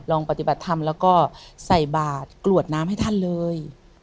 ปฏิบัติธรรมแล้วก็ใส่บาทกรวดน้ำให้ท่านเลย